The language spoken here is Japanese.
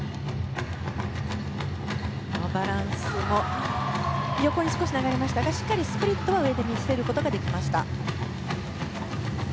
バランスも横に少し流れましたがしっかりスプリットは上で見せることができました。